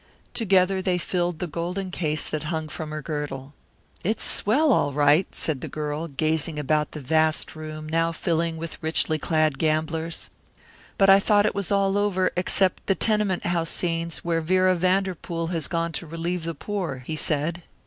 Together they filled the golden case that hung from her girdle. "It's swell, all right," said the girl, gazing about the vast room now filling with richly clad gamblers. "But I thought it was all over except the tenement house scenes where Vera Vanderpool has gone to relieve the poor," he said.